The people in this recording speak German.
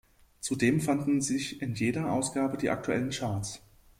Zudem fanden sich in jeder Ausgabe die aktuellen Charts.